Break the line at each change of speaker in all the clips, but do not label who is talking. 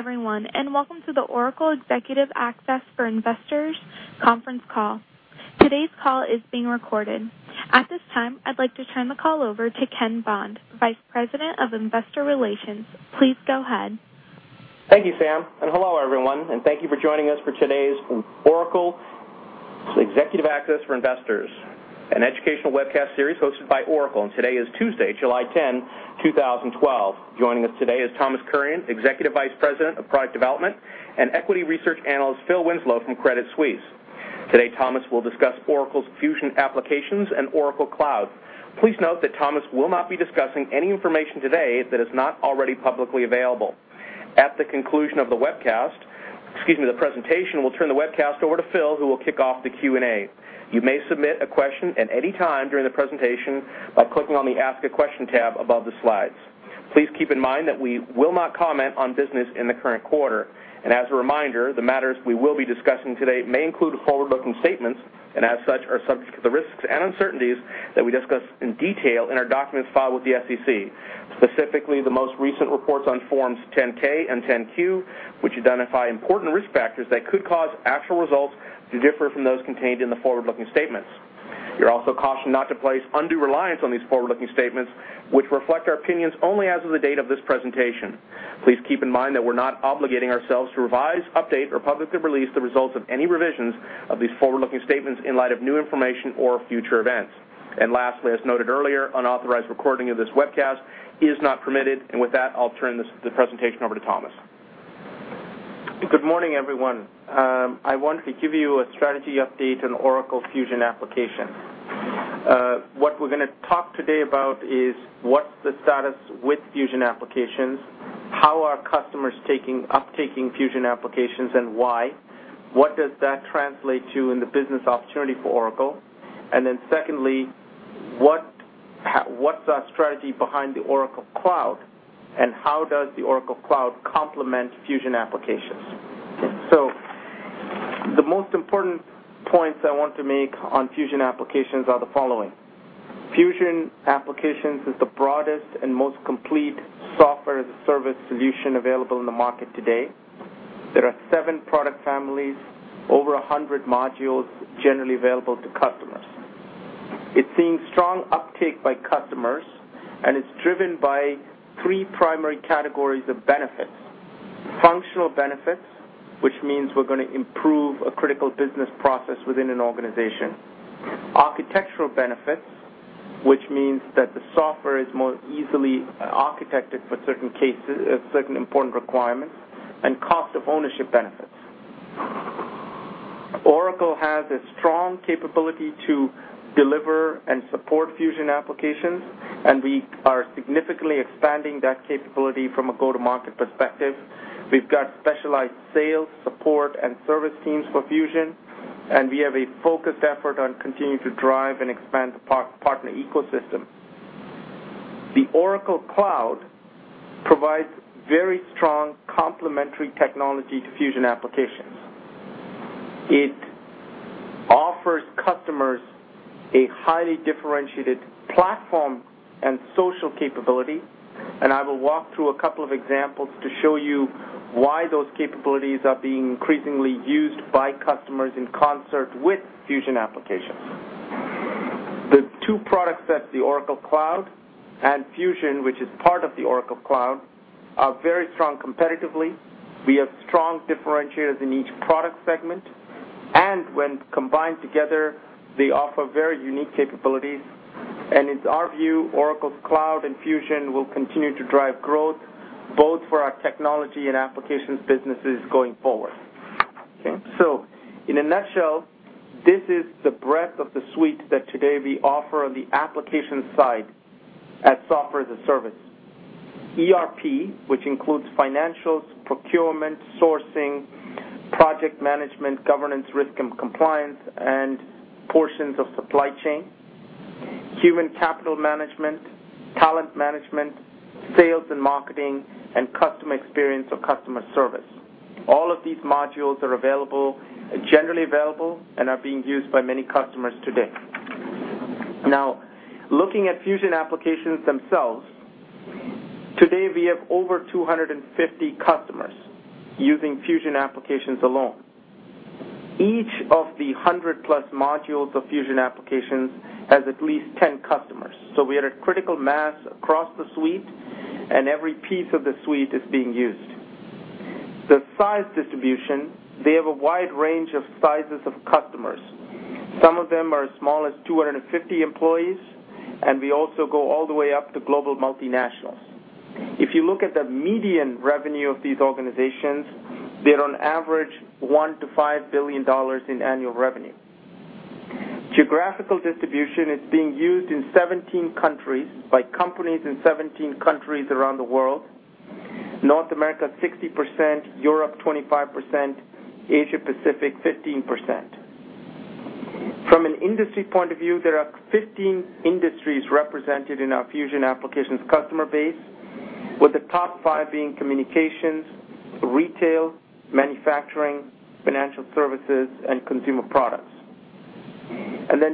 Good day everyone, welcome to the Oracle Executive Access for Investors conference call. Today's call is being recorded. At this time, I'd like to turn the call over to Ken Bond, Vice President of Investor Relations. Please go ahead.
Thank you, Sam, hello everyone, thank you for joining us for today's Oracle Executive Access for Investors, an educational webcast series hosted by Oracle. Today is Tuesday, July 10, 2012. Joining us today is Thomas Kurian, Executive Vice President of Product Development, and Equity Research Analyst, Phil Winslow from Credit Suisse. Today, Thomas will discuss Oracle's Fusion applications and Oracle Cloud. Please note that Thomas will not be discussing any information today that is not already publicly available. At the conclusion of the presentation, we'll turn the webcast over to Phil, who will kick off the Q&A. You may submit a question at any time during the presentation by clicking on the Ask a Question tab above the slides. Please keep in mind that we will not comment on business in the current quarter. As a reminder, the matters we will be discussing today may include forward-looking statements, and as such, are subject to the risks and uncertainties that we discuss in detail in our documents filed with the SEC, specifically the most recent reports on Forms 10-K and 10-Q, which identify important risk factors that could cause actual results to differ from those contained in the forward-looking statements. You're also cautioned not to place undue reliance on these forward-looking statements, which reflect our opinions only as of the date of this presentation. Please keep in mind that we're not obligating ourselves to revise, update, or publicly release the results of any revisions of these forward-looking statements in light of new information or future events. Lastly, as noted earlier, unauthorized recording of this webcast is not permitted. With that, I'll turn the presentation over to Thomas.
Good morning, everyone. I want to give you a Strategy Update on Oracle Fusion Applications. What we're going to talk today about is what's the status with Fusion applications, how are customers uptaking Fusion applications, and why? What does that translate to in the business opportunity for Oracle? Secondly, what's our strategy behind the Oracle Cloud, and how does the Oracle Cloud complement Fusion applications? The most important points I want to make on Fusion applications are the following. Fusion applications is the broadest and most complete software-as-a-service solution available in the market today. There are seven product families, over 100 modules generally available to customers. It's seeing strong uptake by customers, and it's driven by three primary categories of benefits. Functional benefits, which means we're going to improve a critical business process within an organization. Architectural benefits, which means that the software is more easily architected for certain important requirements, and cost of ownership benefits. Oracle has a strong capability to deliver and support Fusion applications, and we are significantly expanding that capability from a go-to-market perspective. We've got specialized sales, support, and service teams for Fusion, and we have a focused effort on continuing to drive and expand the partner ecosystem. The Oracle Cloud provides very strong complementary technology to Fusion applications. It offers customers a highly differentiated platform and social capability, and I will walk through a couple of examples to show you why those capabilities are being increasingly used by customers in concert with Fusion applications. The two products, that's the Oracle Cloud and Fusion, which is part of the Oracle Cloud, are very strong competitively. We have strong differentiators in each product segment, and when combined together, they offer very unique capabilities. It's our view Oracle Cloud and Fusion will continue to drive growth both for our technology and applications businesses going forward. In a nutshell, this is the breadth of the suite that today we offer on the application side at software-as-a-service. ERP, which includes financials, procurement, sourcing, project management, governance, risk and compliance, and portions of supply chain, human capital management, talent management, sales and marketing, and customer experience or customer service. All of these modules are generally available and are being used by many customers today. Looking at Fusion applications themselves, today we have over 250 customers using Fusion applications alone. Each of the 100-plus modules of Fusion applications has at least 10 customers. We had a critical mass across the suite and every piece of the suite is being used. The size distribution, they have a wide range of sizes of customers. Some of them are as small as 250 employees, and we also go all the way up to global multinationals. If you look at the median revenue of these organizations, they're on average $1 billion-$5 billion in annual revenue. Geographical distribution is being used in 17 countries by companies in 17 countries around the world. North America, 60%, Europe, 25%, Asia-Pacific, 15%. From an industry point of view, there are 15 industries represented in our Fusion applications customer base, with the top five being communications, retail, manufacturing, financial services, and consumer products.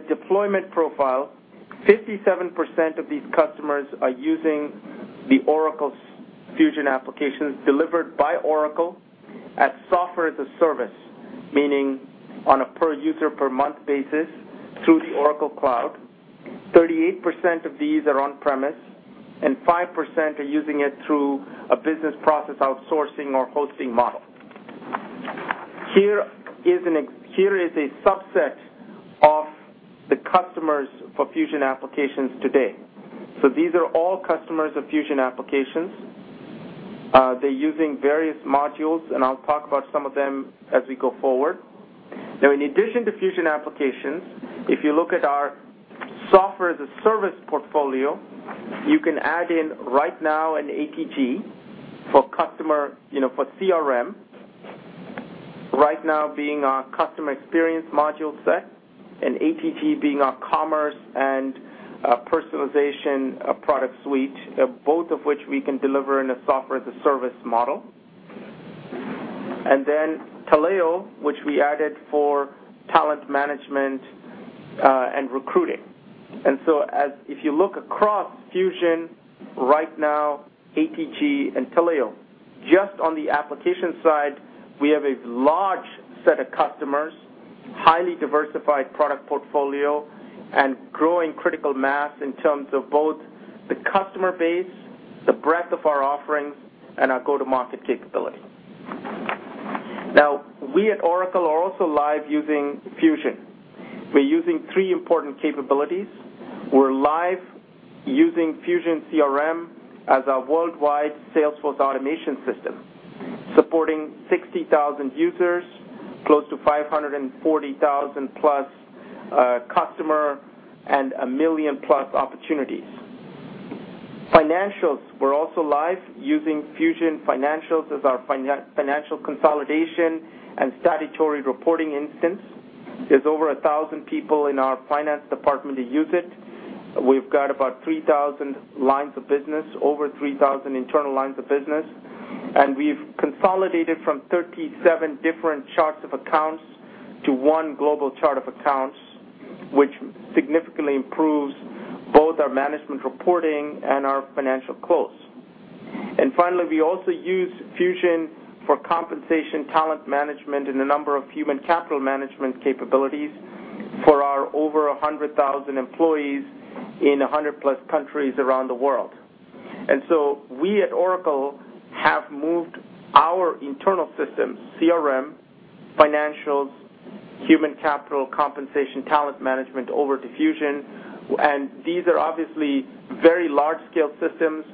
Deployment profile, 57% of these customers are using the Oracle Fusion applications delivered by Oracle as software-as-a-service, meaning on a per-user, per-month basis through the Oracle Cloud. 38% of these are on-premise, and 5% are using it through a business process outsourcing or hosting model. Here is a subset of the customers for Fusion applications today. These are all customers of Fusion applications. They're using various modules, and I'll talk about some of them as we go forward. In addition to Fusion applications, if you look at our software-as-a-service portfolio, you can add in RightNow and ATG for CRM. RightNow being our customer experience module set, and ATG being our commerce and personalization product suite, both of which we can deliver in a software-as-a-service model. Taleo, which we added for talent management and recruiting. If you look across Fusion, RightNow, ATG, and Taleo, just on the application side, we have a large set of customers, highly diversified product portfolio, and growing critical mass in terms of both the customer base, the breadth of our offerings, and our go-to-market capability. Now, we at Oracle are also live using Fusion. We're using three important capabilities. We're live using Fusion CRM as our worldwide sales force automation system, supporting 60,000 users, close to 540,000-plus customer, and a million-plus opportunities. Financials. We're also live using Fusion Financials as our financial consolidation and statutory reporting instance. There's over 1,000 people in our finance department who use it. We've got about 3,000 lines of business, over 3,000 internal lines of business, and we've consolidated from 37 different charts of accounts to one global chart of accounts, which significantly improves both our management reporting and our financial close. Finally, we also use Fusion for compensation, talent management, and a number of human capital management capabilities for our over 100,000 employees in 100-plus countries around the world. We at Oracle have moved our internal systems, CRM, financials, human capital compensation, talent management, over to Fusion. These are obviously very large-scale systems,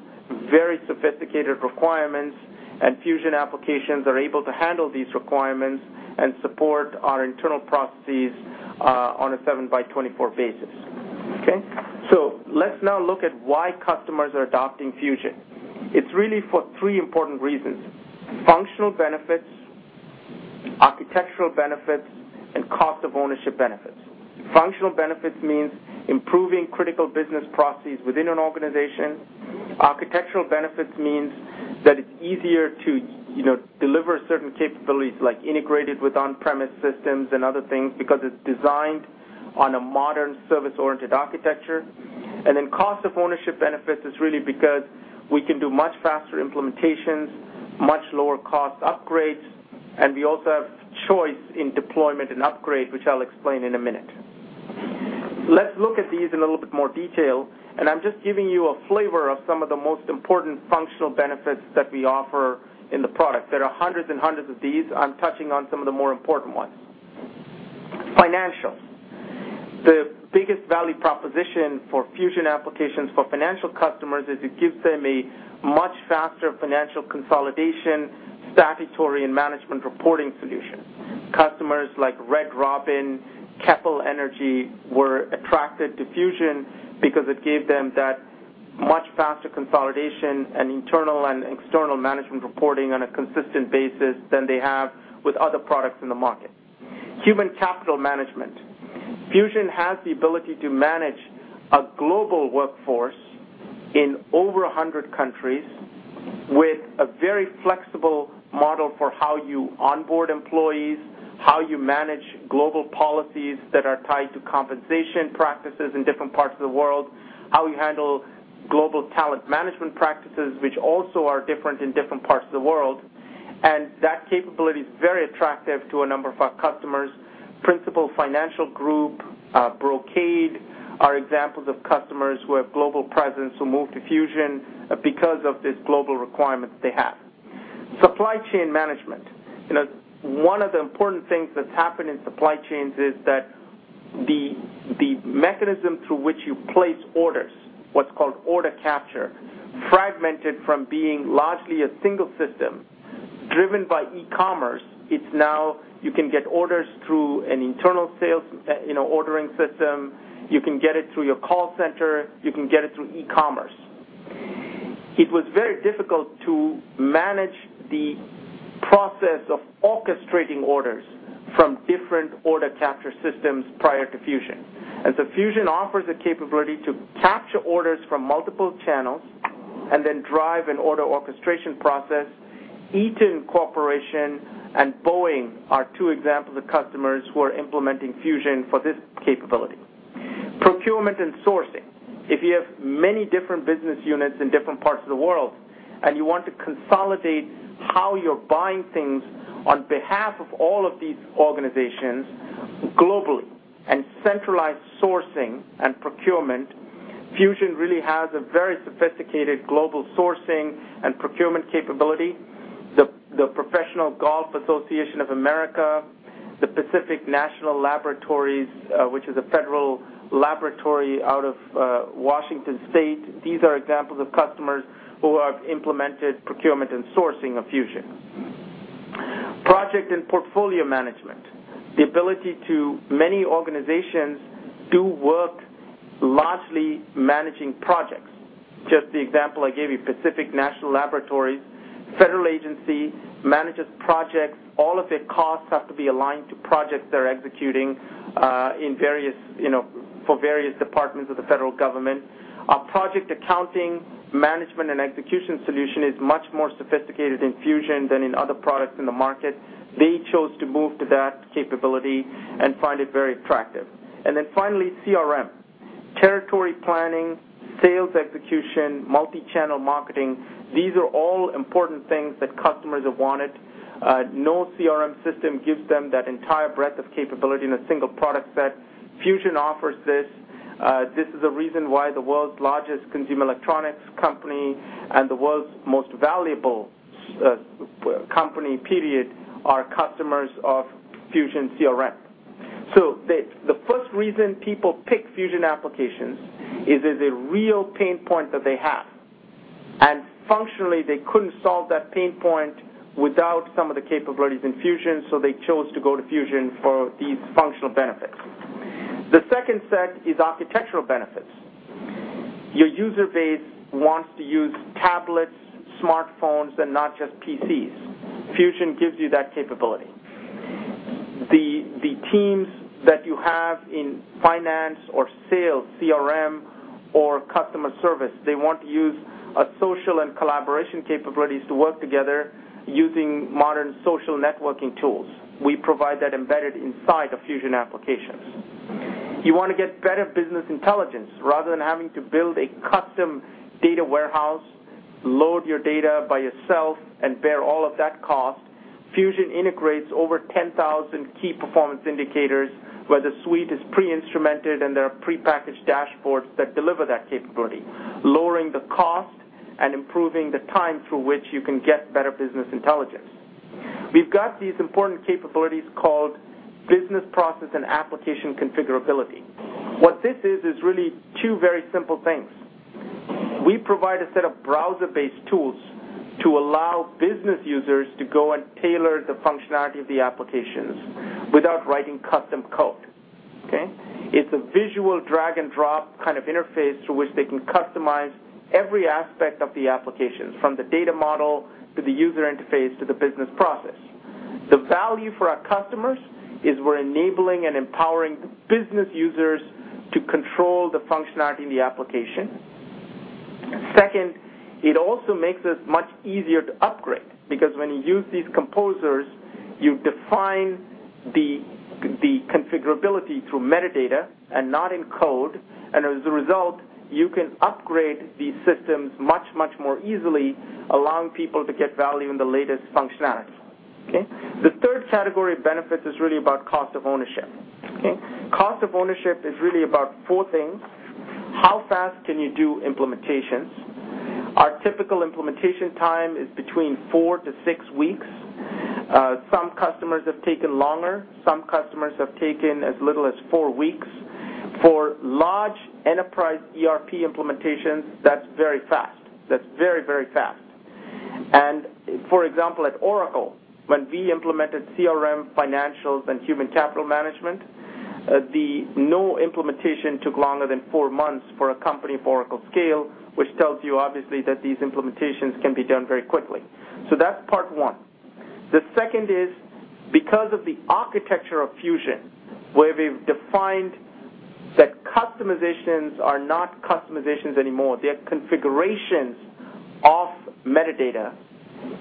very sophisticated requirements, and Fusion applications are able to handle these requirements and support our internal processes on a seven-by-24 basis. Okay? Let's now look at why customers are adopting Fusion. It's really for three important reasons: functional benefits, architectural benefits, and cost of ownership benefits. Functional benefits means improving critical business processes within an organization. Architectural benefits means that it's easier to deliver certain capabilities, like integrated with on-premise systems and other things, because it's designed on a modern service-oriented architecture. Cost of ownership benefits is really because we can do much faster implementations, much lower cost upgrades, and we also have choice in deployment and upgrade, which I'll explain in a minute. Let's look at these in a little bit more detail, and I'm just giving you a flavor of some of the most important functional benefits that we offer in the product. There are hundreds and hundreds of these. I'm touching on some of the more important ones. Financials. The biggest value proposition for Fusion applications for financial customers is it gives them a much faster financial consolidation, statutory, and management reporting solution. Customers like Red Robin, Keppel Energy, were attracted to Fusion because it gave them that much faster consolidation and internal and external management reporting on a consistent basis than they have with other products in the market. Human capital management. Fusion has the ability to manage a global workforce in over 100 countries with a very flexible model for how you onboard employees, how you manage global policies that are tied to compensation practices in different parts of the world, how you handle global talent management practices, which also are different in different parts of the world. That capability is very attractive to a number of our customers. Principal Financial Group, Brocade, are examples of customers who have global presence who moved to Fusion because of this global requirement they have. Supply chain management. One of the important things that's happened in supply chains is that the mechanism through which you place orders, what's called order capture, fragmented from being largely a single system. Driven by e-commerce, it is now you can get orders through an internal sales ordering system, you can get it through your call center, you can get it through e-commerce. It was very difficult to manage the process of orchestrating orders from different order capture systems prior to Fusion. Fusion offers a capability to capture orders from multiple channels and then drive an auto orchestration process. Eaton Corporation and Boeing are two examples of customers who are implementing Fusion for this capability. Procurement and sourcing. If you have many different business units in different parts of the world, and you want to consolidate how you are buying things on behalf of all of these organizations globally and centralize sourcing and procurement, Fusion really has a very sophisticated global sourcing and procurement capability. The Professional Golfers' Association of America, the Pacific Northwest National Laboratory, which is a federal laboratory out of Washington State, these are examples of customers who have implemented procurement and sourcing of Fusion. Project and portfolio management, the ability to many organizations do work largely managing projects. Just the example I gave you, Pacific Northwest National Laboratory, federal agency, manages projects. All of its costs have to be aligned to projects they are executing for various departments of the federal government. Our project accounting, management, and execution solution is much more sophisticated in Fusion than in other products in the market. They chose to move to that capability and find it very attractive. Then finally, CRM. Territory planning, sales execution, multi-channel marketing, these are all important things that customers have wanted. No CRM system gives them that entire breadth of capability in a single product set. Fusion offers this. This is a reason why the world's largest consumer electronics company and the world's most valuable company, period, are customers of Fusion CRM. The first reason people pick Fusion applications is there is a real pain point that they have, and functionally, they couldn't solve that pain point without some of the capabilities in Fusion, so they chose to go to Fusion for these functional benefits. The second set is architectural benefits. Your user base wants to use tablets, smartphones, and not just PCs. Fusion gives you that capability. The teams that you have in finance or sales, CRM or customer service, they want to use social and collaboration capabilities to work together using modern social networking tools. We provide that embedded inside of Fusion applications. You want to get better business intelligence rather than having to build a custom data warehouse, load your data by yourself, and bear all of that cost. Fusion integrates over 10,000 key performance indicators where the suite is pre-instrumented, and there are pre-packaged dashboards that deliver that capability, lowering the cost and improving the time through which you can get better business intelligence. We have got these important capabilities called business process and application configurability. What this is really two very simple things. We provide a set of browser-based tools to allow business users to go and tailor the functionality of the applications without writing custom code. Okay? It is a visual drag-and-drop kind of interface through which they can customize every aspect of the application, from the data model to the user interface to the business process. The value for our customers is we're enabling and empowering business users to control the functionality in the application. It also makes us much easier to upgrade because when you use these composers, you define the configurability through metadata and not in code, and as a result, you can upgrade these systems much more easily, allowing people to get value in the latest functionality. The third category of benefits is really about cost of ownership. Cost of ownership is really about four things. How fast can you do implementations? Our typical implementation time is between four to six weeks. Some customers have taken longer. Some customers have taken as little as four weeks. For large enterprise ERP implementations, that's very fast. That's very fast. For example, at Oracle, when we implemented CRM, financials, and human capital management, no implementation took longer than four months for a company of Oracle's scale, which tells you, obviously, that these implementations can be done very quickly. That's part one. Because of the architecture of Fusion, where we've defined that customizations are not customizations anymore, they're configurations of metadata.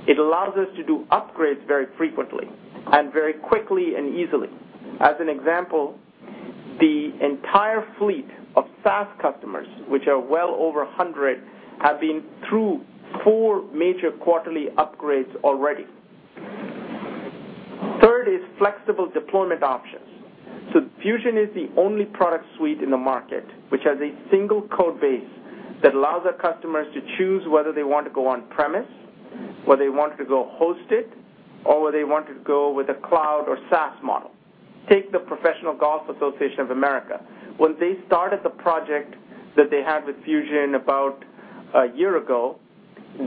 It allows us to do upgrades very frequently and very quickly and easily. As an example, the entire fleet of SaaS customers, which are well over 100, have been through four major quarterly upgrades already. Flexible deployment options. Fusion is the only product suite in the market which has a single code base that allows our customers to choose whether they want to go on-premise, whether they want to go hosted, or whether they want to go with a cloud or SaaS model. Take the Professional Golfers' Association of America. When they started the project that they had with Fusion about a year ago,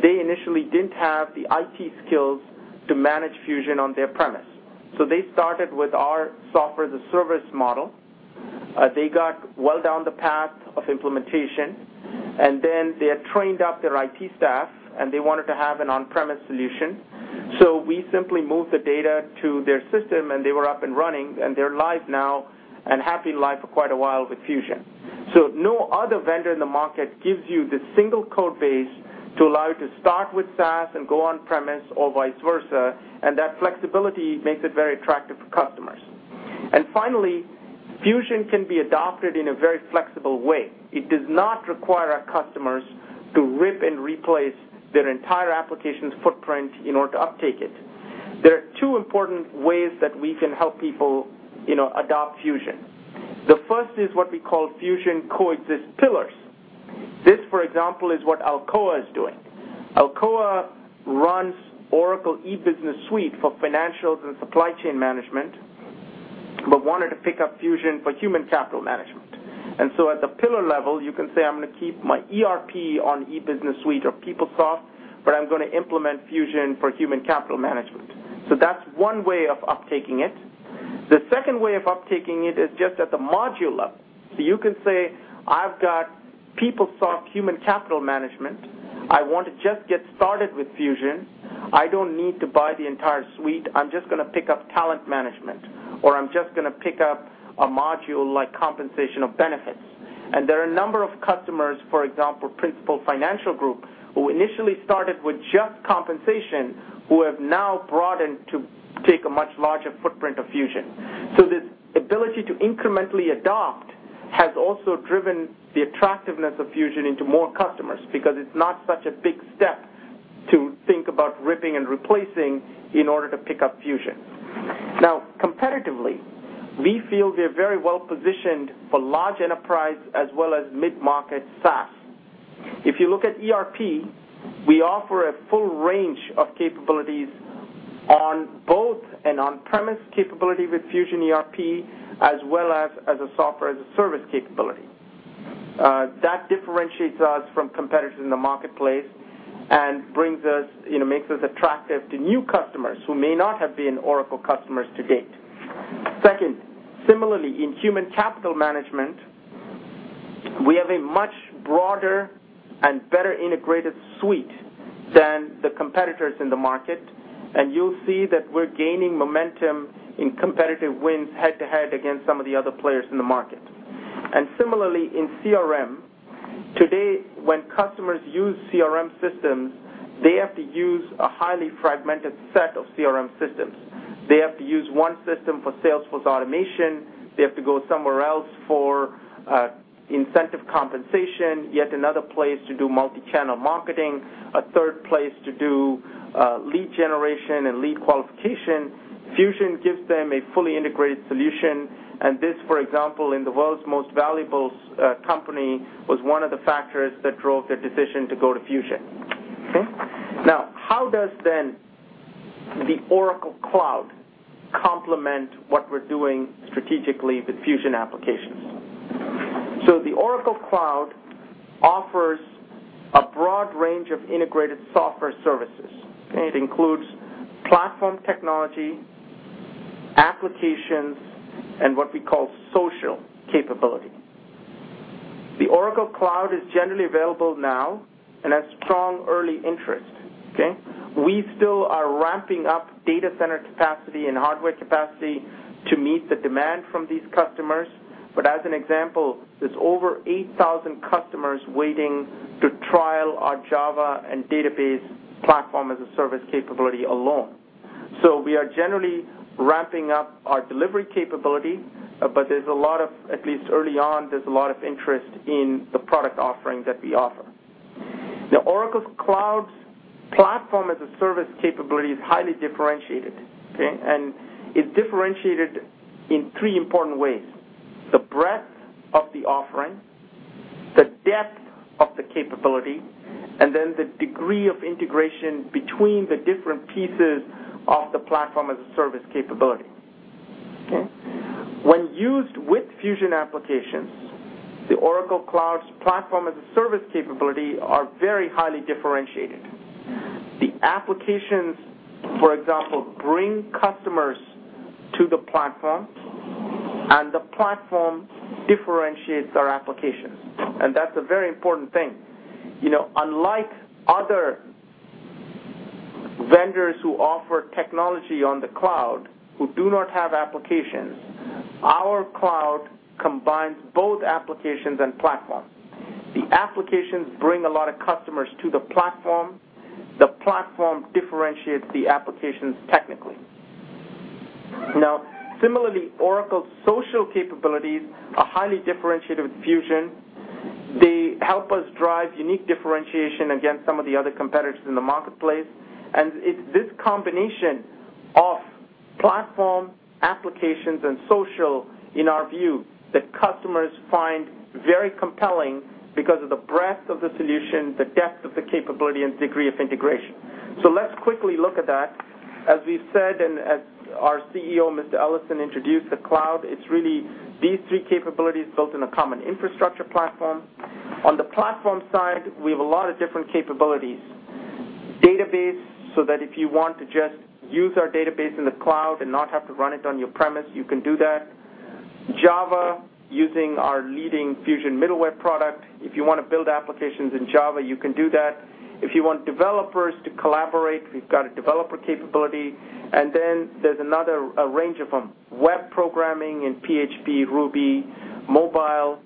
they initially didn't have the IT skills to manage Fusion on their premise. They started with our software as a service model. They got well down the path of implementation, then they trained up their IT staff. They wanted to have an on-premise solution. We simply moved the data to their system, and they were up and running, and they're live now, and happy live for quite a while with Fusion. No other vendor in the market gives you this single code base to allow you to start with SaaS and go on-premise or vice versa, and that flexibility makes it very attractive for customers. Finally, Fusion can be adopted in a very flexible way. It does not require our customers to rip and replace their entire application's footprint in order to uptake it. There are two important ways that we can help people adopt Fusion. What we call Fusion coexist pillars. This, for example, is what Alcoa is doing. Alcoa runs Oracle E-Business Suite for financials and supply chain management but wanted to pick up Fusion for human capital management. At the pillar level, you can say, "I'm going to keep my ERP on E-Business Suite or PeopleSoft, but I'm going to implement Fusion for human capital management." That's one way of uptaking it. The second way of uptaking it is just at the module level. You can say, "I've got PeopleSoft human capital management. I want to just get started with Fusion. I don't need to buy the entire suite. I'm just going to pick up talent management, or I'm just going to pick up a module like compensation of benefits." There are a number of customers, for example, Principal Financial Group, who initially started with just compensation, who have now broadened to take a much larger footprint of Fusion. This ability to incrementally adopt has also driven the attractiveness of Fusion into more customers because it's not such a big step to think about ripping and replacing in order to pick up Fusion. Competitively, we feel we are very well-positioned for large enterprise as well as mid-market SaaS. If you look at ERP, we offer a full range of capabilities on both an on-premise capability with Fusion ERP as well as a software-as-a-service capability. That differentiates us from competitors in the marketplace and makes us attractive to new customers who may not have been Oracle customers to date. Second, similarly, in human capital management, we have a much broader and better-integrated suite than the competitors in the market, and you'll see that we're gaining momentum in competitive wins head-to-head against some of the other players in the market. Similarly, in CRM, today, when customers use CRM systems, they have to use a highly fragmented set of CRM systems. They have to use one system for sales force automation. They have to go somewhere else for incentive compensation, yet another place to do multi-channel marketing, a third place to do lead generation and lead qualification. Fusion gives them a fully integrated solution, and this, for example, in the world's most valuable company, was one of the factors that drove their decision to go to Fusion. How does then the Oracle Cloud complement what we're doing strategically with Fusion applications? The Oracle Cloud offers a broad range of integrated software services. It includes platform technology, applications, and what we call social capability. The Oracle Cloud is generally available now and has strong early interest. We still are ramping up data center capacity and hardware capacity to meet the demand from these customers. As an example, there's over 8,000 customers waiting to trial our Java and database platform-as-a-service capability alone. We are generally ramping up our delivery capability, but at least early on, there's a lot of interest in the product offering that we offer. Oracle Cloud's platform-as-a-service capability is highly differentiated. It's differentiated in three important ways: the breadth of the offering, the depth of the capability, and the degree of integration between the different pieces of the platform-as-a-service capability. When used with Fusion applications, the Oracle Cloud's platform-as-a-service capability are very highly differentiated. The applications, for example, bring customers to the platform, and the platform differentiates our applications, and that's a very important thing. Unlike other vendors who offer technology on the cloud who do not have applications, our cloud combines both applications and platform. The applications bring a lot of customers to the platform. The platform differentiates the applications technically. Similarly, Oracle's social capabilities are highly differentiated with Fusion. They help us drive unique differentiation against some of the other competitors in the marketplace. It's this combination of platform, applications, and social, in our view, that customers find very compelling because of the breadth of the solution, the depth of the capability, and degree of integration. Let's quickly look at that. As we've said, as our CEO, Mr. Ellison, introduced the cloud, it's really these three capabilities built in a common infrastructure platform. On the platform side, we have a lot of different capabilities so that if you want to just use our database in the cloud and not have to run it on your premise, you can do that. Java, using our leading Fusion Middleware product. If you want to build applications in Java, you can do that. If you want developers to collaborate, we've got a developer capability. There's another range of them, web programming in PHP, Ruby, mobile,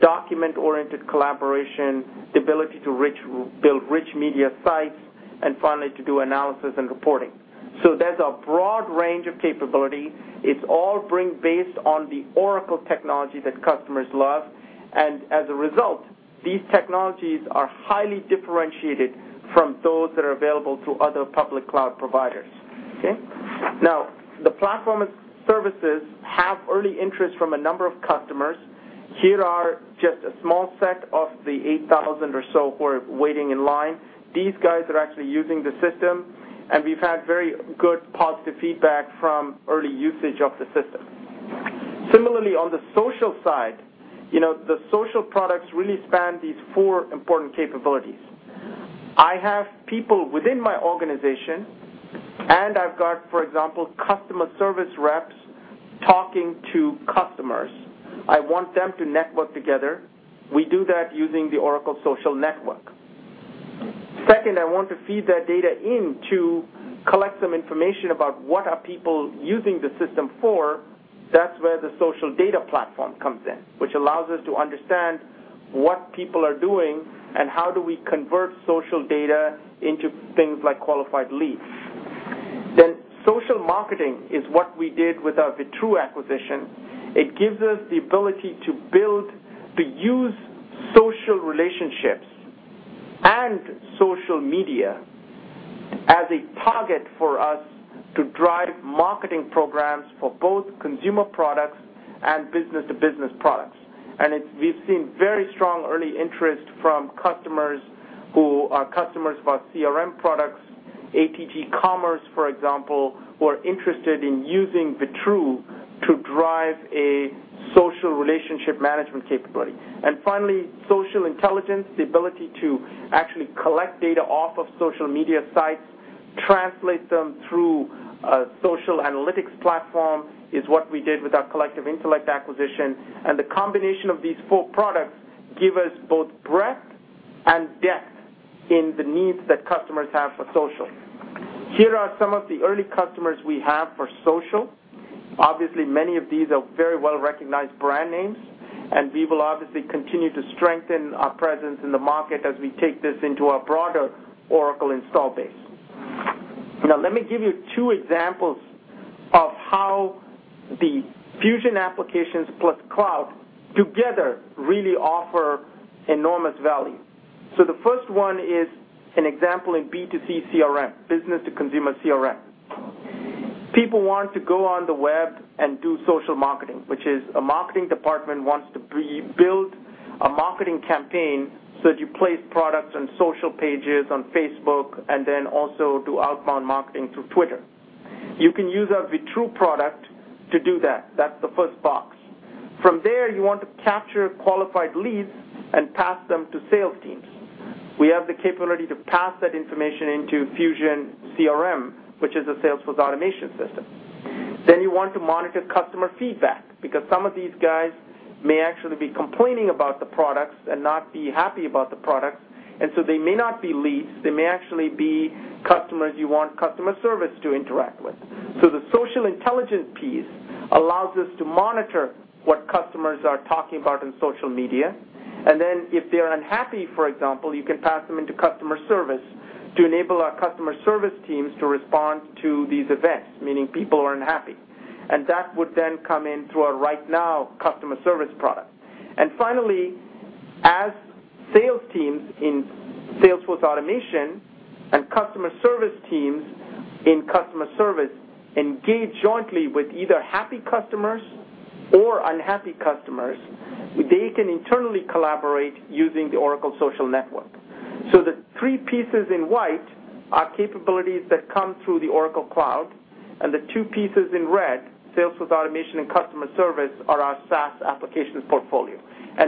document-oriented collaboration, the ability to build rich media sites, and finally, to do analysis and reporting. There's a broad range of capability. It's all based on the Oracle technology that customers love. As a result, these technologies are highly differentiated from those that are available through other public cloud providers. Okay? The platform services have early interest from a number of customers. Here are just a small set of the 8,000 or so who are waiting in line. These guys are actually using the system, and we've had very good, positive feedback from early usage of the system. Similarly, on the social side, the social products really span these four important capabilities. I have people within my organization, and I've got, for example, customer service reps talking to customers. I want them to network together. We do that using the Oracle Social Network. Second, I want to feed that data in to collect some information about what are people using the system for. That's where the Social Data Platform comes in, which allows us to understand what people are doing and how do we convert social data into things like qualified leads. Social marketing is what we did with our Vitrue acquisition. It gives us the ability to use social relationships and social media as a target for us to drive marketing programs for both consumer products and business-to-business products. We've seen very strong early interest from customers who are customers of our CRM products, ATG Commerce, for example, who are interested in using Vitrue to drive a social relationship management capability. Finally, social intelligence, the ability to actually collect data off of social media sites, translate them through a social analytics platform, is what we did with our Collective Intellect acquisition. The combination of these four products give us both breadth and depth in the needs that customers have for social. Here are some of the early customers we have for social. Many of these are very well-recognized brand names, and we will obviously continue to strengthen our presence in the market as we take this into our broader Oracle install base. Let me give you two examples of how the Fusion applications plus cloud together really offer enormous value. The first one is an example in B2C CRM, business-to-consumer CRM. People want to go on the web and do social marketing, which is a marketing department wants to build a marketing campaign so that you place products on social pages, on Facebook, and also do outbound marketing through Twitter. You can use our Vitrue product to do that. That's the first box. From there, you want to capture qualified leads and pass them to sales teams. We have the capability to pass that information into Fusion CRM, which is a sales force automation system. You want to monitor customer feedback because some of these guys may actually be complaining about the products and not be happy about the product. They may not be leads. They may actually be customers you want customer service to interact with. The social intelligence piece allows us to monitor what customers are talking about on social media. If they're unhappy, for example, you can pass them into customer service to enable our customer service teams to respond to these events, meaning people are unhappy. That would then come in through our RightNow customer service product. Finally, as sales teams in sales force automation and customer service teams in customer service engage jointly with either happy customers or unhappy customers, they can internally collaborate using the Oracle Social Network. The three pieces in white are capabilities that come through the Oracle Cloud, and the two pieces in red, sales force automation and customer service, are our SaaS applications portfolio.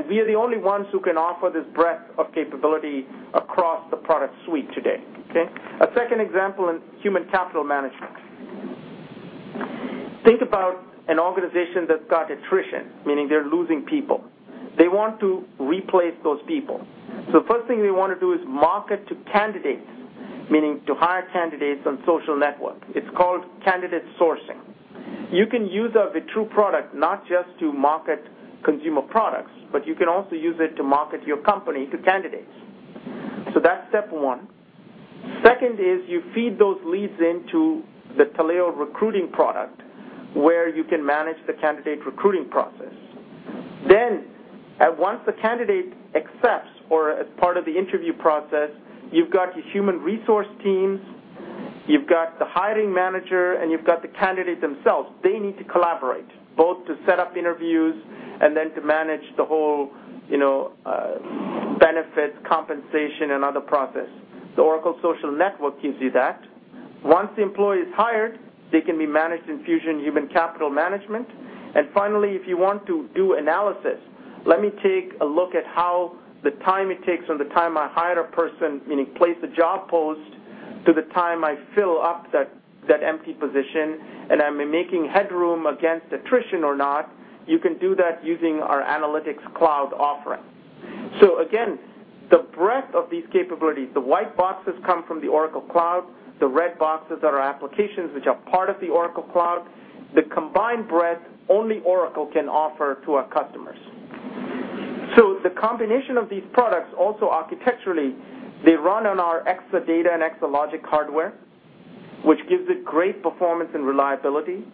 We are the only ones who can offer this breadth of capability across the product suite today. Okay? A second example in human capital management. Think about an organization that's got attrition, meaning they're losing people. They want to replace those people. The first thing they want to do is market to candidates, meaning to hire candidates on social networks. It's called candidate sourcing. You can use our Vitrue product not just to market consumer products, but you can also use it to market your company to candidates. That's step one. Second is you feed those leads into the Taleo recruiting product, where you can manage the candidate recruiting process. Once the candidate accepts or as part of the interview process, you've got your human resource teams, you've got the hiring manager, and you've got the candidate themselves. They need to collaborate, both to set up interviews and to manage the whole benefits, compensation, and other process. The Oracle Social Network gives you that. Once the employee is hired, they can be managed in Fusion Human Capital Management. Finally, if you want to do analysis Let me take a look at how the time it takes from the time I hire a person, meaning place a job post, to the time I fill up that empty position, and am I making headroom against attrition or not? You can do that using our analytics cloud offering. Again, the breadth of these capabilities, the white boxes come from the Oracle Cloud. The red boxes are our applications, which are part of the Oracle Cloud. The combined breadth only Oracle can offer to our customers. The combination of these products also architecturally, they run on our Exadata and Exalogic hardware, which gives it great performance and reliability.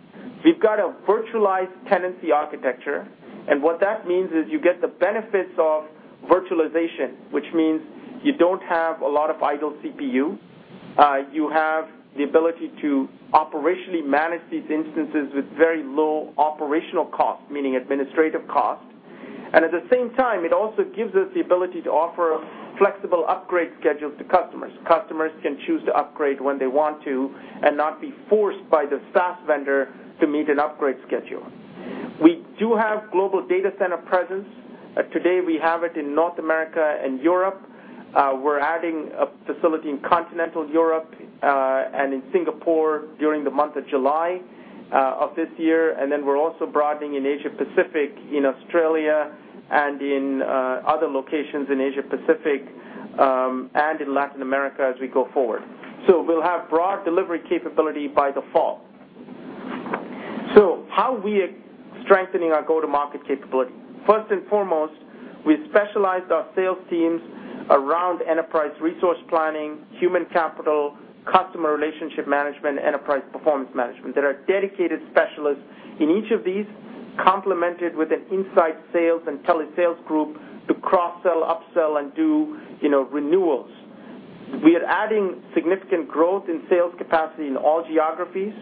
We've got a virtualized tenancy architecture, and what that means is you get the benefits of virtualization, which means you don't have a lot of idle CPU. You have the ability to operationally manage these instances with very low operational costs, meaning administrative costs. At the same time, it also gives us the ability to offer flexible upgrade schedules to customers. Customers can choose to upgrade when they want to and not be forced by the SaaS vendor to meet an upgrade schedule. We do have global data center presence. Today, we have it in North America and Europe. We're adding a facility in continental Europe, and in Singapore during the month of July of this year. We're also broadening in Asia Pacific, in Australia, and in other locations in Asia Pacific, and in Latin America as we go forward. We'll have broad delivery capability by the fall. How we are strengthening our go-to-market capability. First and foremost, we specialized our sales teams around enterprise resource planning, human capital, customer relationship management, enterprise performance management. There are dedicated specialists in each of these, complemented with an inside sales and telesales group to cross-sell, up-sell and do renewals. We are adding significant growth in sales capacity in all geographies.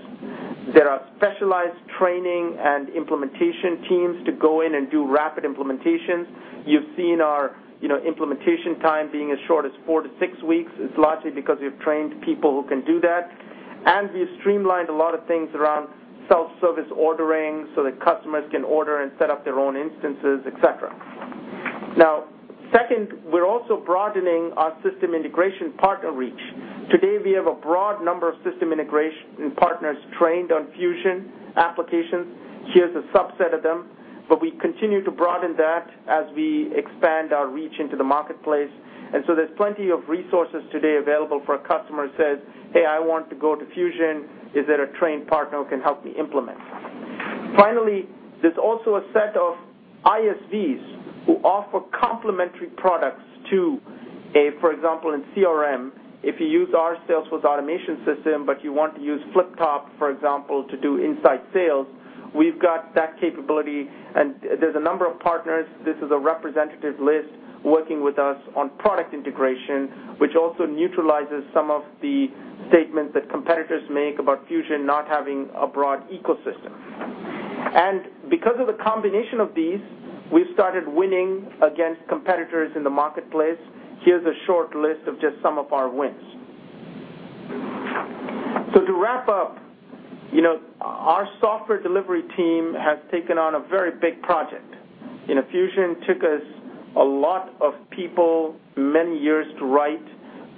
There are specialized training and implementation teams to go in and do rapid implementations. You've seen our implementation time being as short as four to six weeks. It's largely because we've trained people who can do that, and we've streamlined a lot of things around self-service ordering so that customers can order and set up their own instances, et cetera. Second, we're also broadening our system integration partner reach. Today, we have a broad number of system integration partners trained on Fusion applications. Here's a subset of them. We continue to broaden that as we expand our reach into the marketplace. There's plenty of resources today available for a customer who says, "Hey, I want to go to Fusion. Is there a trained partner who can help me implement?" Finally, there's also a set of ISVs who offer complementary products to a, for example, in CRM, if you use our sales force automation system, but you want to use Fliptop, for example, to do inside sales, we've got that capability. There's a number of partners, this is a representative list, working with us on product integration, which also neutralizes some of the statements that competitors make about Fusion not having a broad ecosystem. Because of the combination of these, we've started winning against competitors in the marketplace. Here's a short list of just some of our wins. To wrap up, our software delivery team has taken on a very big project. Fusion took us a lot of people, many years to write,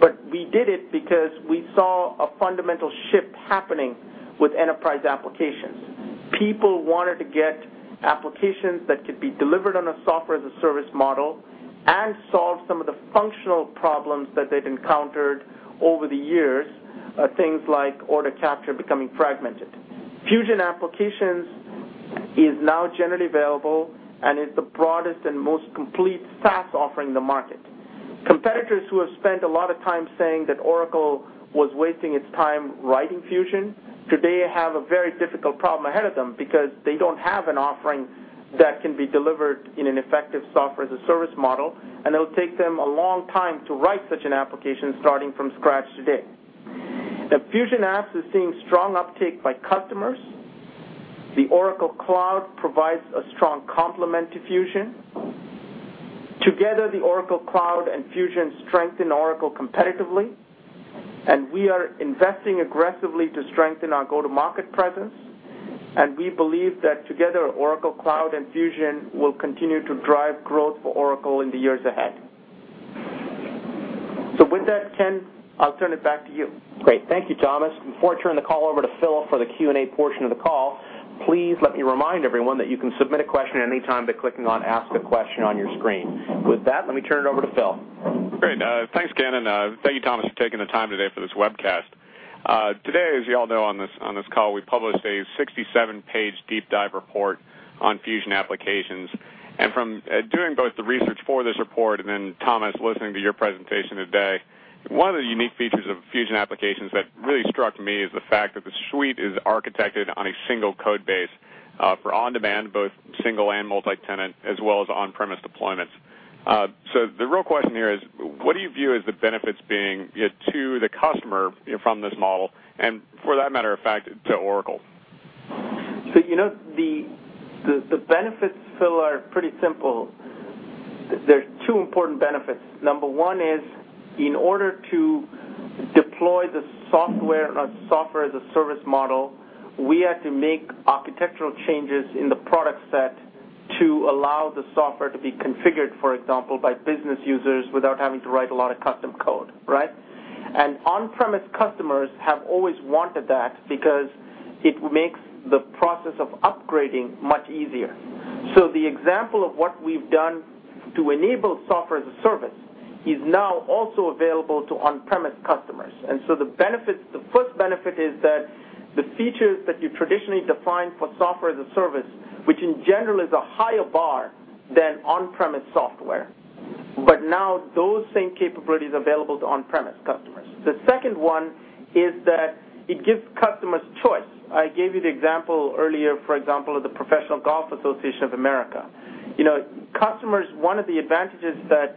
but we did it because we saw a fundamental shift happening with enterprise applications. People wanted to get applications that could be delivered on a software-as-a-service model and solve some of the functional problems that they've encountered over the years, things like order capture becoming fragmented. Fusion applications is now generally available and is the broadest and most complete SaaS offering in the market. Competitors who have spent a lot of time saying that Oracle was wasting its time writing Fusion, today have a very difficult problem ahead of them because they don't have an offering that can be delivered in an effective software-as-a-service model. It'll take them a long time to write such an application starting from scratch today. Fusion apps is seeing strong uptake by customers. The Oracle Cloud provides a strong complement to Fusion. Together, the Oracle Cloud and Fusion strengthen Oracle competitively, we are investing aggressively to strengthen our go-to-market presence. We believe that together, Oracle Cloud and Fusion will continue to drive growth for Oracle in the years ahead. With that, Ken, I'll turn it back to you.
Great. Thank you, Thomas. Before I turn the call over to Phil for the Q&A portion of the call, please let me remind everyone that you can submit a question any time by clicking on "Ask a Question" on your screen. With that, let me turn it over to Phil.
Great. Thanks, Ken, and thank you, Thomas, for taking the time today for this webcast. Today, as you all know on this call, we published a 67-page deep dive report on Fusion applications. From doing both the research for this report and then Thomas, listening to your presentation today, one of the unique features of Fusion applications that really struck me is the fact that the suite is architected on a single code base, for on-demand, both single and multi-tenant, as well as on-premise deployments. The real question here is, what do you view as the benefits being to the customer from this model and for that matter of fact, to Oracle?
The benefits, Phil, are pretty simple. There's two important benefits. Number one is, in order to deploy the software as a service model, we had to make architectural changes in the product set to allow the software to be configured, for example, by business users without having to write a lot of custom code. Right? On-premise customers have always wanted that because it makes the process of upgrading much easier. The example of what we've done to enable software as a service is now also available to on-premise customers. The first benefit is that the features that you traditionally define for software as a service, which in general is a higher bar than on-premise software. Now those same capabilities are available to on-premise customers. The second one is that it gives customers choice. I gave you the example earlier, for example, of the Professional Golfers' Association of America. One of the advantages that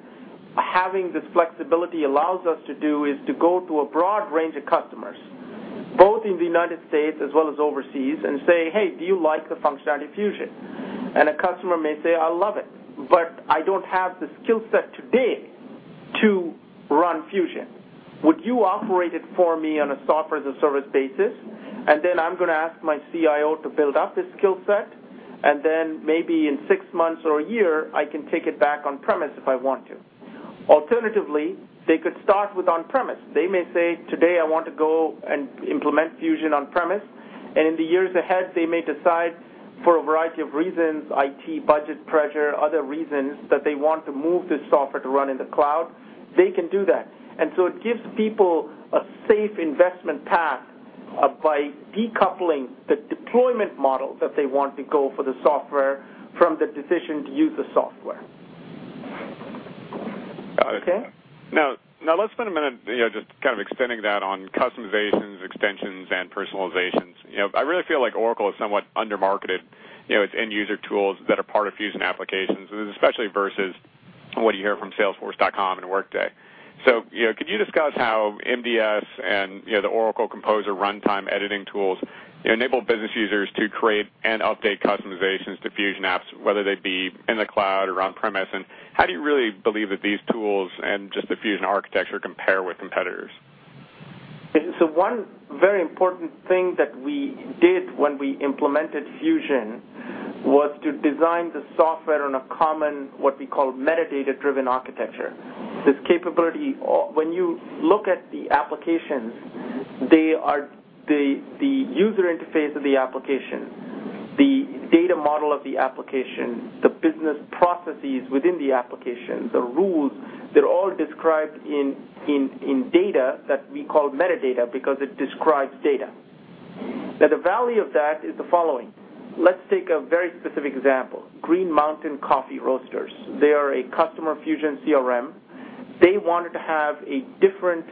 having this flexibility allows us to do is to go to a broad range of customers, both in the United States as well as overseas, and say, "Hey, do you like the functionality of Fusion?" A customer may say, "I love it, but I don't have the skill set today to run Fusion. Would you operate it for me on a software-as-a-service basis? Then I'm going to ask my CIO to build up this skill set, and then maybe in six months or a year, I can take it back on-premise if I want to." Alternatively, they could start with on-premise. They may say, "Today, I want to go and implement Fusion on-premise." In the years ahead, they may decide for a variety of reasons, IT, budget pressure, other reasons, that they want to move this software to run in the cloud. They can do that. So it gives people a safe investment path by decoupling the deployment model that they want to go for the software from the decision to use the software.
Got it.
Okay.
Now, let's spend a minute just extending that on customizations, extensions, and personalizations. I really feel like Oracle is somewhat under-marketed. Its end-user tools that are part of Fusion applications, and especially versus what you hear from Salesforce.com and Workday. Could you discuss how MDS and the Oracle Composer runtime editing tools enable business users to create and update customizations to Fusion apps, whether they be in the cloud or on-premise? How do you really believe that these tools and just the Fusion architecture compare with competitors?
One very important thing that we did when we implemented Fusion was to design the software on a common, what we call, metadata-driven architecture. When you look at the applications, the user interface of the application, the data model of the application, the business processes within the application, the rules, they're all described in data that we call metadata because it describes data. The value of that is the following. Let's take a very specific example. Green Mountain Coffee Roasters. They are a customer of Fusion CRM. They wanted to have a different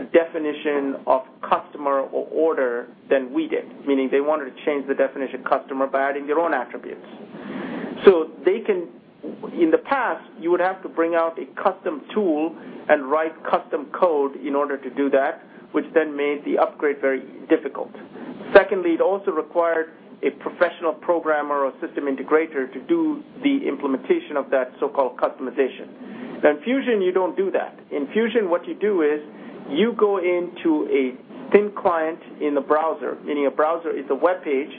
definition of customer or order than we did, meaning they wanted to change the definition of customer by adding their own attributes. In the past, you would have to bring out a custom tool and write custom code in order to do that, which made the upgrade very difficult. Secondly, it also required a professional programmer or system integrator to do the implementation of that so-called customization. In Fusion, you don't do that. In Fusion, what you do is, you go into a thin client in the browser, meaning a browser is a webpage,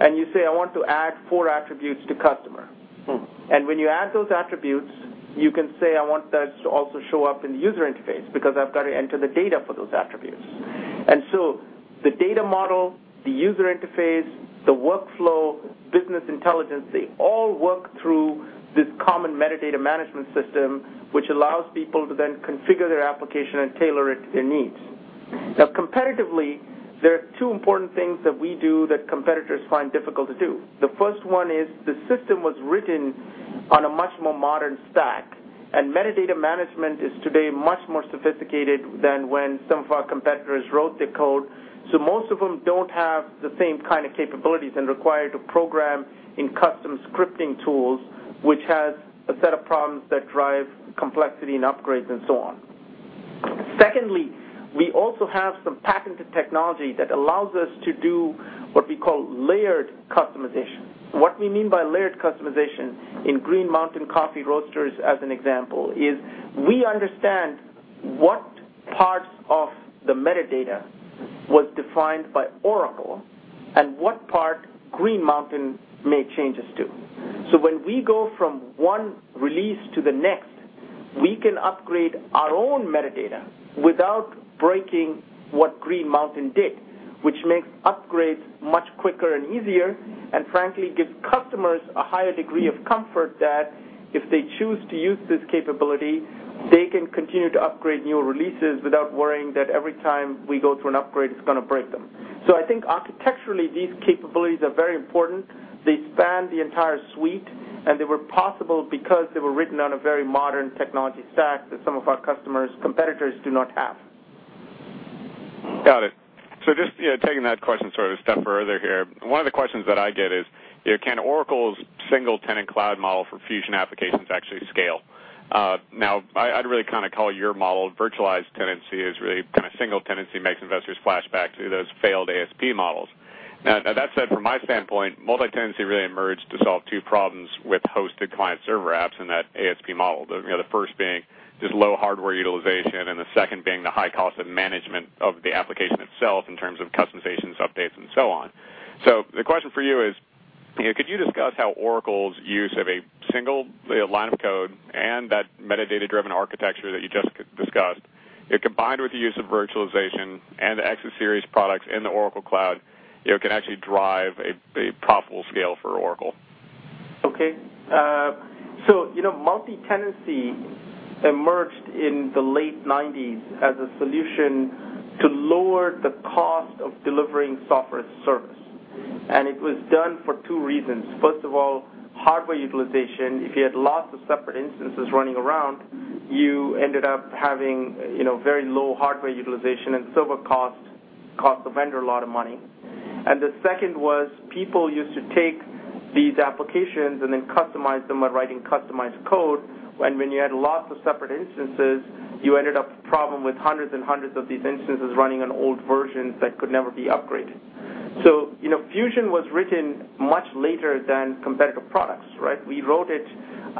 and you say, "I want to add four attributes to customer. When you add those attributes, you can say, "I want that to also show up in the user interface because I've got to enter the data for those attributes." The data model, the user interface, the workflow, business intelligence, they all work through this common metadata management system, which allows people to then configure their application and tailor it to their needs. Competitively, there are two important things that we do that competitors find difficult to do. The first one is the system was written on a much more modern stack, and metadata management is today much more sophisticated than when some of our competitors wrote the code. Most of them don't have the same kind of capabilities and require to program in custom scripting tools, which has a set of problems that drive complexity and upgrades and so on. Secondly, we also have some patented technology that allows us to do what we call layered customization. What we mean by layered customization in Green Mountain Coffee Roasters, as an example, is we understand what parts of the metadata was defined by Oracle and what part Green Mountain made changes to. When we go from one release to the next, we can upgrade our own metadata without breaking what Green Mountain did, which makes upgrades much quicker and easier, and frankly, gives customers a higher degree of comfort that if they choose to use this capability, they can continue to upgrade newer releases without worrying that every time we go through an upgrade, it's going to break them. I think architecturally, these capabilities are very important. They span the entire suite. They were possible because they were written on a very modern technology stack that some of our competitors do not have.
Got it. Just taking that question a step further here. One of the questions that I get is, can Oracle's single-tenant cloud model for Fusion applications actually scale? I'd really call your model virtualized tenancy is really single tenancy makes investors flashback to those failed ASP models. That said, from my standpoint, multi-tenancy really emerged to solve two problems with hosted client-server apps in that ASP model. The first being just low hardware utilization, and the second being the high cost of management of the application itself in terms of customizations, updates, and so on. The question for you is, could you discuss how Oracle's use of a single line of code and that metadata-driven architecture that you just discussed, combined with the use of virtualization and the Exa series products in the Oracle Cloud, can actually drive a profitable scale for Oracle?
Okay. Multi-tenancy emerged in the late 1990s as a solution to lower the cost of delivering software as a service. It was done for two reasons. First of all, hardware utilization. If you had lots of separate instances running around, you ended up having very low hardware utilization. It would cost the vendor a lot of money. The second was people used to take these applications and then customize them by writing customized code, and when you had lots of separate instances, you ended up with the problem with hundreds and hundreds of these instances running on old versions that could never be upgraded. Fusion was written much later than competitive products, right? We wrote it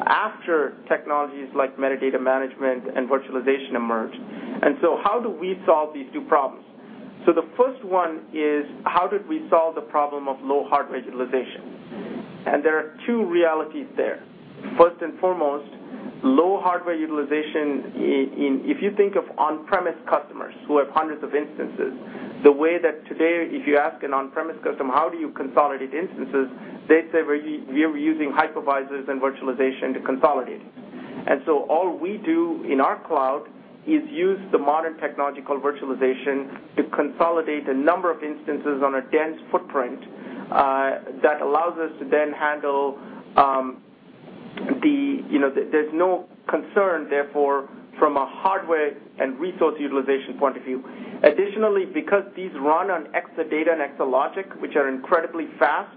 after technologies like metadata management and virtualization emerged. How do we solve these two problems? The first one is, how did we solve the problem of low hardware utilization? There are two realities there. First and foremost, low hardware utilization. If you think of on-premise customers who have hundreds of instances, the way that today, if you ask an on-premise customer, how do you consolidate instances? They'd say, "We're using hypervisors and virtualization to consolidate." All we do in our cloud is use the modern technology called virtualization to consolidate a number of instances on a dense footprint that allows us to then. There's no concern, therefore, from a hardware and resource utilization point of view. Additionally, because these run on Exadata and Exalogic, which are incredibly fast,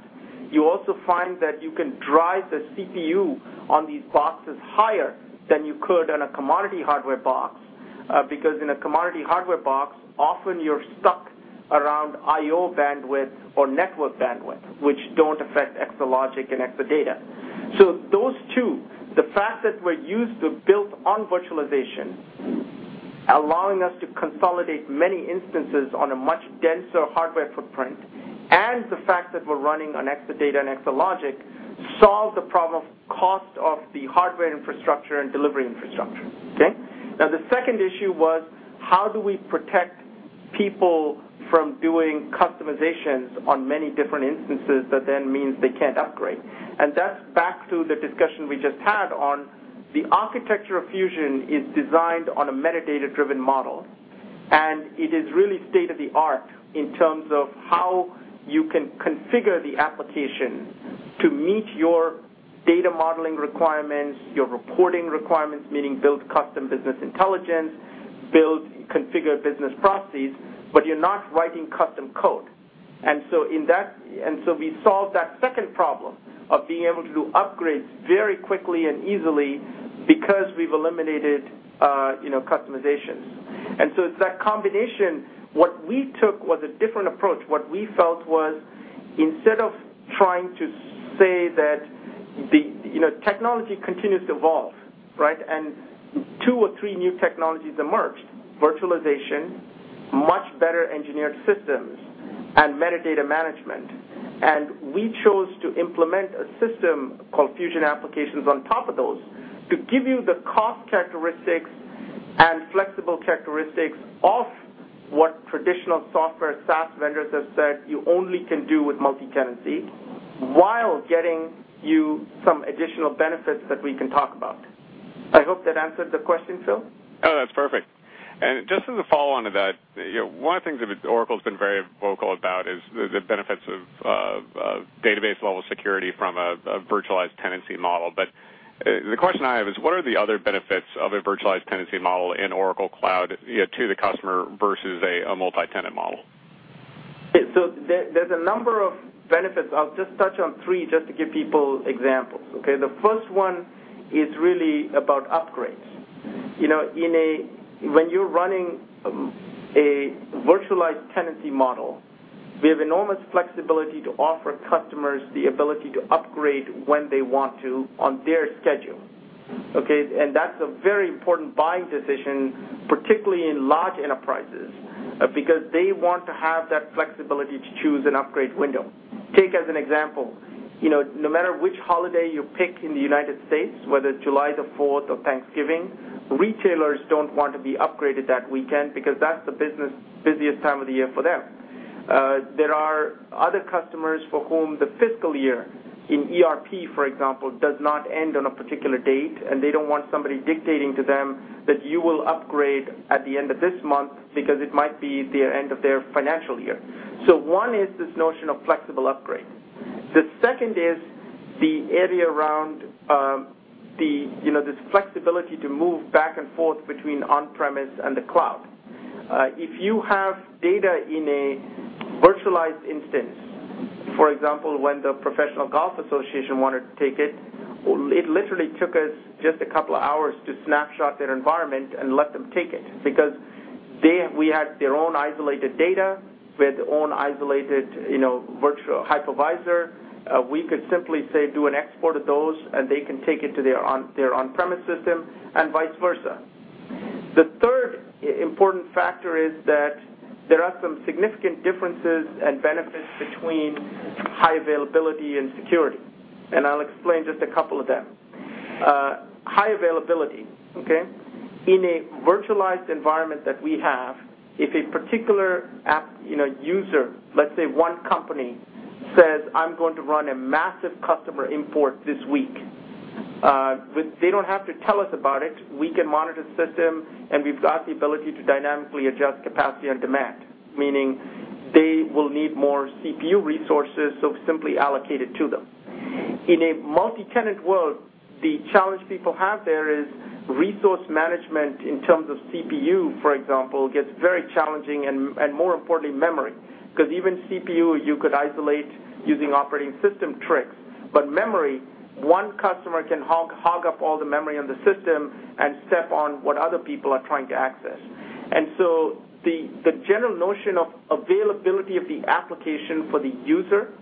you also find that you can drive the CPU on these boxes higher than you could on a commodity hardware box. Because in a commodity hardware box, often you're stuck around I/O bandwidth or network bandwidth, which don't affect Exalogic and Exadata. Those two, the fact that we're used to built on virtualization, allowing us to consolidate many instances on a much denser hardware footprint, and the fact that we're running on Exadata and Exalogic, solve the problem of cost of the hardware infrastructure and delivery infrastructure. Okay? The second issue was, how do we protect people from doing customizations on many different instances that then means they can't upgrade? That's back to the discussion we just had on the architecture of Fusion is designed on a metadata-driven model. It is really state-of-the-art in terms of how you can configure the application to meet your data modeling requirements, your reporting requirements, meaning build custom business intelligence, build and configure business processes, but you're not writing custom code. We solved that second problem of being able to do upgrades very quickly and easily because we've eliminated customizations. It's that combination. What we took was a different approach. What we felt was instead of trying to say that Technology continues to evolve, right? Two or three new technologies emerged: virtualization, much better-engineered systems, and metadata management. We chose to implement a system called Fusion Applications on top of those to give you the cost characteristics and flexible characteristics of what traditional software SaaS vendors have said you only can do with multi-tenancy while getting you some additional benefits that we can talk about. I hope that answered the question, Phil.
Oh, that's perfect. Just as a follow-on to that, one of the things that Oracle's been very vocal about is the benefits of database-level security from a virtualized tenancy model. The question I have is, what are the other benefits of a virtualized tenancy model in Oracle Cloud to the customer versus a multi-tenant model?
There's a number of benefits. I'll just touch on three just to give people examples, okay? The first one is really about upgrades. When you're running a virtualized tenancy model, we have enormous flexibility to offer customers the ability to upgrade when they want to on their schedule. Okay? That's a very important buying decision, particularly in large enterprises, because they want to have that flexibility to choose an upgrade window. Take as an example, no matter which holiday you pick in the U.S., whether it's July the 4th or Thanksgiving, retailers don't want to be upgraded that weekend because that's the busiest time of the year for them. There are other customers for whom the fiscal year in ERP, for example, does not end on a particular date, and they don't want somebody dictating to them that you will upgrade at the end of this month because it might be the end of their financial year. One is this notion of flexible upgrade. The second is the area around this flexibility to move back and forth between on-premise and the cloud. If you have data in a virtualized instance, for example, when the Professional Golf Association wanted to take it literally took us just a couple of hours to snapshot their environment and let them take it, because we had their own isolated data with own isolated virtual hypervisor. We could simply say, "Do an export of those," and they can take it to their on-premise system and vice versa. The third important factor is that there are some significant differences and benefits between high availability and security, and I'll explain just a couple of them. High availability, okay? In a virtualized environment that we have, if a particular app user, let's say one company, says, "I'm going to run a massive customer import this week." They don't have to tell us about it. We can monitor the system, and we've got the ability to dynamically adjust capacity on demand, meaning they will need more CPU resources, so we simply allocate it to them. In a multi-tenant world, the challenge people have there is resource management in terms of CPU, for example, gets very challenging and more importantly, memory. Because even CPU, you could isolate using operating system tricks. Memory, one customer can hog up all the memory on the system and step on what other people are trying to access. The general notion of availability of the application for the user,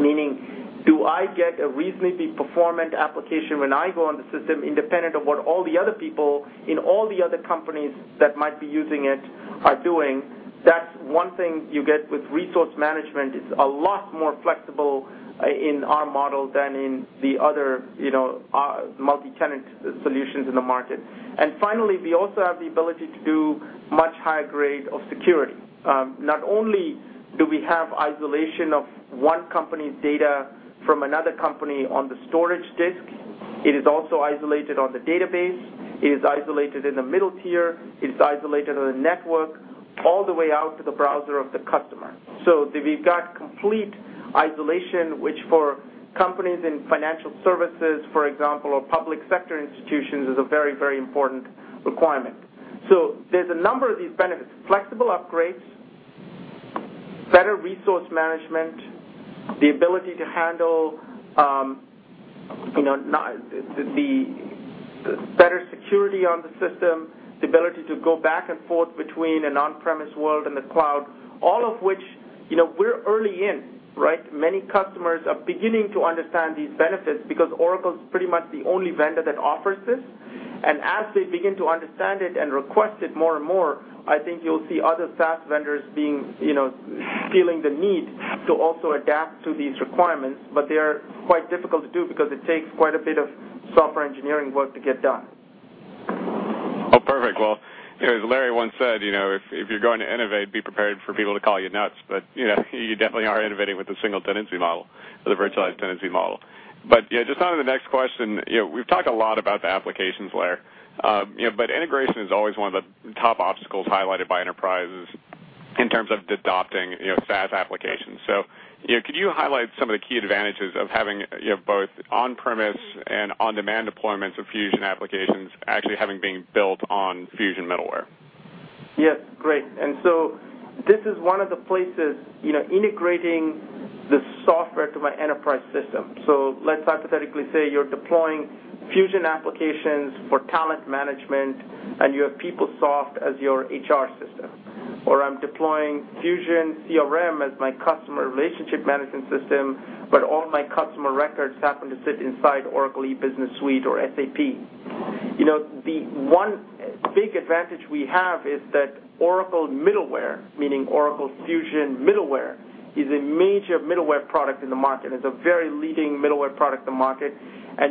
meaning, do I get a reasonably performant application when I go on the system independent of what all the other people in all the other companies that might be using it are doing? That's one thing you get with resource management. It's a lot more flexible in our model than in the other multi-tenant solutions in the market. Finally, we also have the ability to do much higher grade of security. Not only do we have isolation of one company's data from another company on the storage disk, it is also isolated on the database. It is isolated in the middle tier. It's isolated on the network, all the way out to the browser of the customer. We've got complete isolation, which for companies in financial services, for example, or public sector institutions, is a very, very important requirement. There's a number of these benefits: flexible upgrades, better resource management, the ability to handle the better security on the system, the ability to go back and forth between an on-premise world and the cloud, all of which we're early in, right? Many customers are beginning to understand these benefits because Oracle's pretty much the only vendor that offers this. As they begin to understand it and request it more and more, I think you'll see other SaaS vendors feeling the need to also adapt to these requirements. They are quite difficult to do because it takes quite a bit of software engineering work to get done.
Perfect. As Larry once said, "If you're going to innovate, be prepared for people to call you nuts." You definitely are innovating with the single-tenancy model or the virtualized tenancy model. Just onto the next question. We've talked a lot about the applications layer. Integration is always one of the top obstacles highlighted by enterprises in terms of adopting SaaS applications. Could you highlight some of the key advantages of having both on-premise and on-demand deployments of Fusion applications actually having been built on Fusion Middleware?
Yes. Great. This is one of the places integrating the software to my enterprise system. Let's hypothetically say you're deploying Fusion applications for talent management and you have PeopleSoft as your HR system, or I'm deploying Fusion CRM as my customer relationship management system, All my customer records happen to sit inside Oracle E-Business Suite or SAP. The one big advantage we have is that Oracle Middleware, meaning Oracle Fusion Middleware, is a major middleware product in the market. It's a very leading middleware product in the market.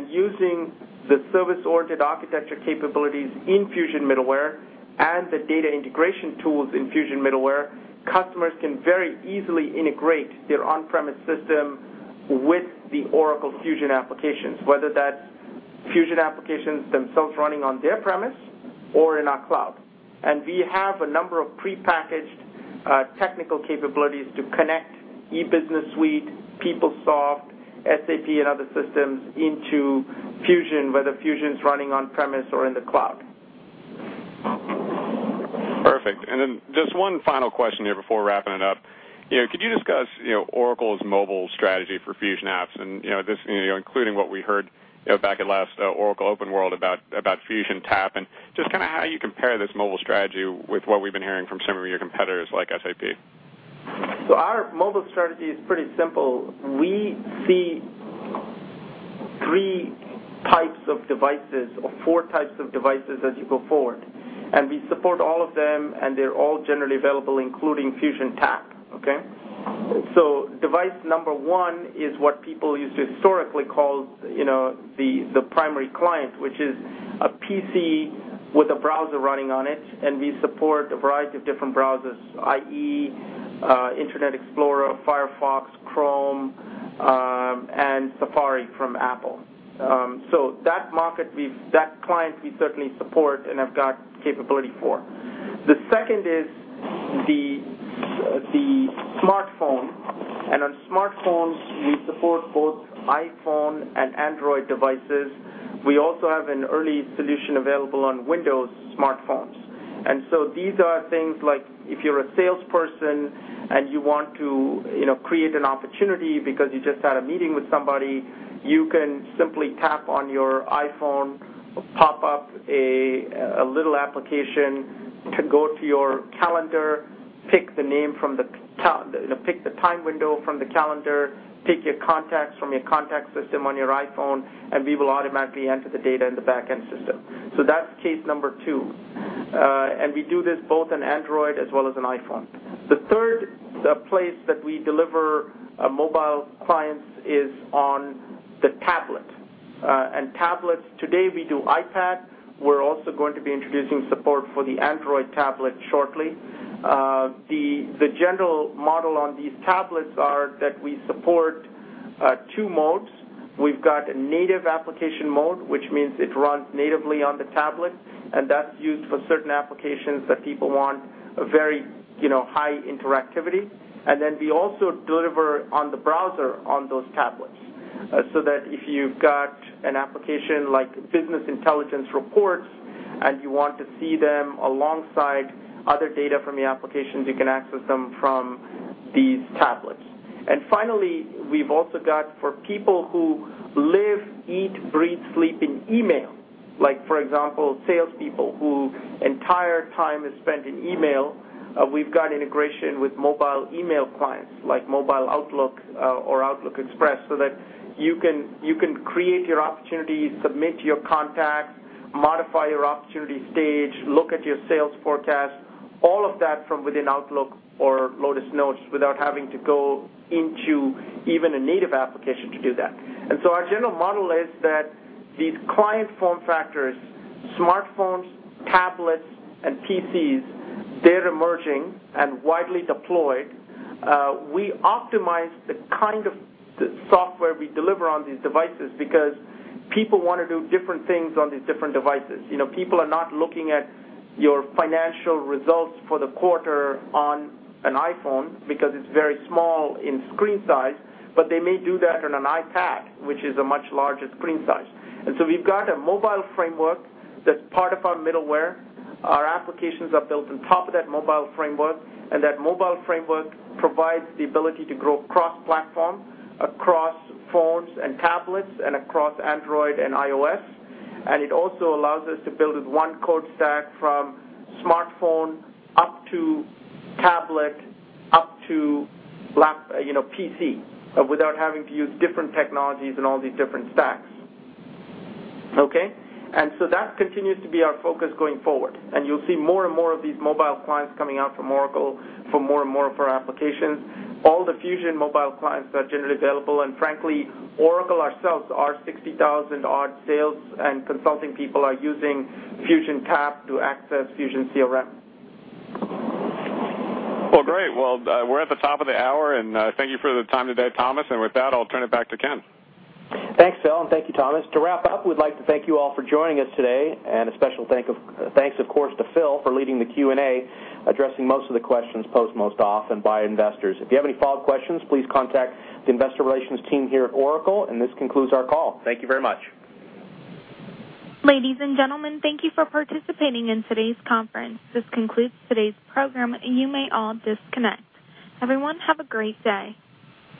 Using the service-oriented architecture capabilities in Fusion Middleware and the data integration tools in Fusion Middleware, customers can very easily integrate their on-premise system with the Oracle Fusion applications, whether that's Fusion applications themselves running on their premise or in our cloud. We have a number of prepackaged technical capabilities to connect E-Business Suite, PeopleSoft, SAP, and other systems into Fusion, whether Fusion's running on-premise or in the cloud.
Perfect. Just one final question here before wrapping it up. Could you discuss Oracle's mobile strategy for Fusion apps and this including what we heard back at last Oracle OpenWorld about Fusion Tap and just how you compare this mobile strategy with what we've been hearing from some of your competitors like SAP?
Our mobile strategy is pretty simple. We see three types of devices or 4 types of devices as you go forward, and we support all of them, and they're all generally available, including Oracle Fusion Tap, okay? Device number 1 is what people used to historically call the primary client, which is a PC with a browser running on it, and we support a variety of different browsers, IE, Internet Explorer, Firefox, Chrome, and Safari from Apple. That market, that client we certainly support and have got capability for. The second is the smartphone. On smartphones, we support both iPhone and Android devices. We also have an early solution available on Windows smartphones. These are things like if you're a salesperson and you want to create an opportunity because you just had a meeting with somebody, you can simply tap on your iPhone, pop up a little application to go to your calendar, pick the time window from the calendar, pick your contacts from your contacts system on your iPhone, and we will automatically enter the data in the back-end system. That's case number 2. We do this both on Android as well as an iPhone. The third place that we deliver mobile clients is on the tablet. Tablets, today we do iPad. We're also going to be introducing support for the Android tablet shortly. The general model on these tablets are that we support 2 modes. We've got a native application mode, which means it runs natively on the tablet, and that's used for certain applications that people want a very high interactivity. We also deliver on the browser on those tablets, so that if you've got an application like business intelligence reports and you want to see them alongside other data from the applications, you can access them from these tablets. We've also got for people who live, eat, breathe, sleep in email, like for example, salespeople who entire time is spent in email, we've got integration with mobile email clients like Mobile Outlook or Outlook Express, so that you can create your opportunities, submit your contacts, modify your opportunity stage, look at your sales forecast, all of that from within Outlook or Lotus Notes without having to go into even a native application to do that. Our general model is that these client form factors, smartphones, tablets, and PCs, they're emerging and widely deployed. We optimize the kind of software we deliver on these devices because people want to do different things on these different devices. People are not looking at your financial results for the quarter on an iPhone because it's very small in screen size. They may do that on an iPad, which is a much larger screen size. We've got a mobile framework that's part of our middleware. Our applications are built on top of that mobile framework, and that mobile framework provides the ability to grow cross-platform across phones and tablets and across Android and iOS. It also allows us to build with 1 code stack from smartphone up to tablet, up to PC, without having to use different technologies and all these different stacks. Okay? That continues to be our focus going forward. You'll see more and more of these mobile clients coming out from Oracle for more and more of our applications. All the Fusion mobile clients are generally available. Frankly, Oracle ourselves, our 60,000-odd sales and consulting people are using Fusion Tap to access Fusion CRM.
Well, great. Well, we're at the top of the hour, thank you for the time today, Thomas. With that, I'll turn it back to Ken.
Thanks, Phil, thank you, Thomas. To wrap up, we'd like to thank you all for joining us today, a special thanks, of course, to Phil for leading the Q&A, addressing most of the questions posed most often by investors. If you have any follow-up questions, please contact the investor relations team here at Oracle, this concludes our call. Thank you very much.
Ladies and gentlemen, thank you for participating in today's conference. This concludes today's program, you may all disconnect. Everyone, have a great day.